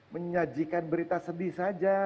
menyajikan berita sedih saja